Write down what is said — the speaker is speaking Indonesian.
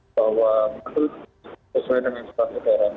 bahwa itu sesuai dengan instansi darah